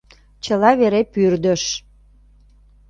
Чыла вере пӱрдыш.